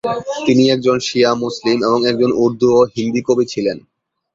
তিনি একজন শিয়া মুসলিম এবং একজন উর্দু ও হিন্দি কবি ছিলেন।